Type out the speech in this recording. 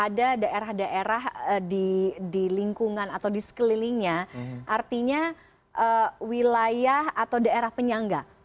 ada daerah daerah di lingkungan atau di sekelilingnya artinya wilayah atau daerah penyangga